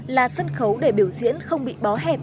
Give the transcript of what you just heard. là sân khấu để biểu diễn không bị bó hẹp